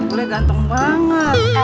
boleh ganteng banget